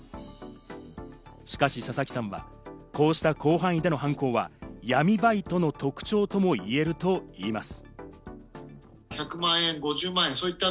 しかし佐々木さんは、こうした広範囲での犯行は闇バイトの特徴ともいえるといいます。